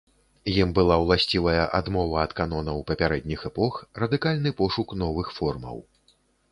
Ім была ўласцівая адмова ад канонаў папярэдніх эпох, радыкальны пошук новых формаў.